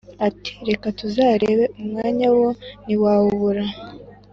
ati"reka tuzarebe umwanya wo ntiwawubura"